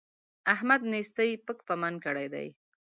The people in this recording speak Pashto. احمد نېستۍ پک پمن کړی دی.